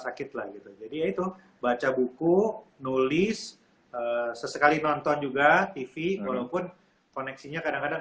sakit lah gitu jadi itu baca buku nulis sesekali nonton juga tv walaupun koneksinya kadang kadang